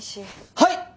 はい！